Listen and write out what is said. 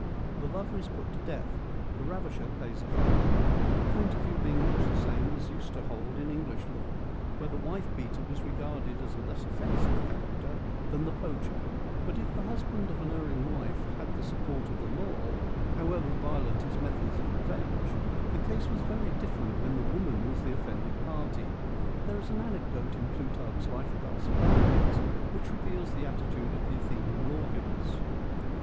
The lover is put to death ; the ravisher pays a fine : the point of view being much the same as used to hold in English law, where the wife beater was regarded as a less offensive character than the poacher. THE ATTIC ORATORS 185 But if the husband of an erring wife had the sup port of the law, however violent his methods of revenge, the case was very different when the woman was the offended party. There is an anecdote in Plutarch's Life of Alcibiades which reveals the attitude of the Athenian lawgivers.